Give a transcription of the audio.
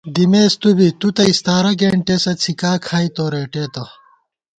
دِمېس تُو بی تُو تہ اَستارہ گېنٹېسہ څھِکا کھائی تو رېٹېتہ